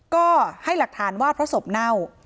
ก็ให้หลักฐานวาดพระศพเน่า